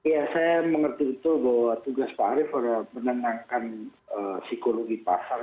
ya saya mengerti betul bahwa tugas pak arief adalah menenangkan psikologi pasar